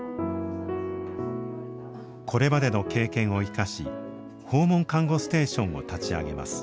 これまでの経験を生かし訪問看護ステーションを立ち上げます。